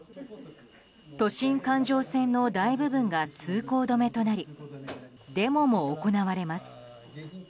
都心環状線の大部分が通行止めとなりデモも行われます。